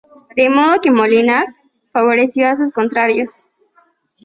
De modo que Molinas favoreció a sus contrarios.